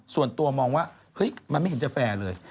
ส่วนตัวมองว่าเฮ้ยมันไม่เห็นจะแฟร์เลย